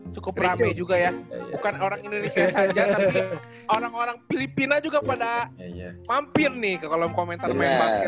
cukup rame juga ya bukan orang indonesia saja tapi orang orang filipina juga pada mampir nih ke kolom komentar main basket